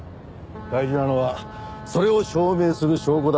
大事なのはそれを証明する証拠だ。